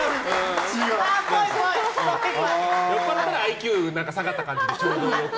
酔っ払ったらＩＱ下がる感じでちょうどいい。